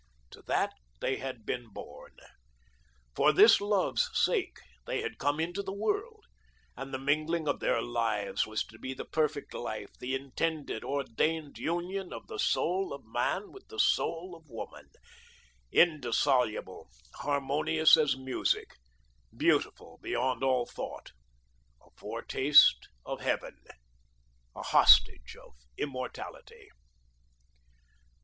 To that they had been born. For this love's sake they had come into the world, and the mingling of their lives was to be the Perfect Life, the intended, ordained union of the soul of man with the soul of woman, indissoluble, harmonious as music, beautiful beyond all thought, a foretaste of Heaven, a hostage of immortality.